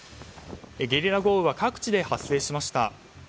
ゲリラ豪雨は各地で発生しました。